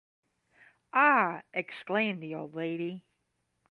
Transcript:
‘Ah!’ exclaimed the old lady.